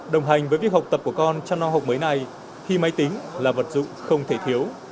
đồng hành với việc học tập của con trong năm học mới này khi máy tính là vật dụng không thể thiếu